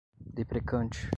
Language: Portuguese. deprecante